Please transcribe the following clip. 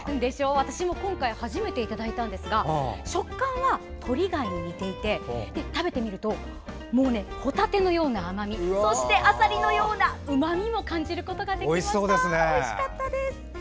私も今回初めていただいたんですが食感はトリ貝に似ていて食べてみるとホタテのような甘みそしてあさりのようなうまみも感じることができました。